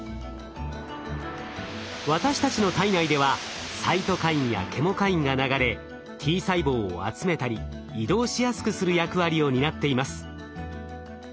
私たちの体内ではサイトカインやケモカインが流れＴ細胞を集めたり移動しやすくする役割を担っています。